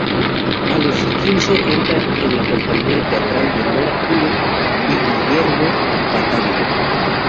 A los quince entra en la compañía teatral de Nora Cullen y Guillermo Battaglia.